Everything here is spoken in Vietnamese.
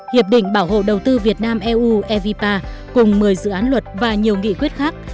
hiệp định bảo hộ đầu tư việt nam eu evipa cùng một mươi dự án luật và nhiều nghị quyết khác